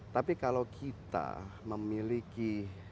tapi kalau kita memiliki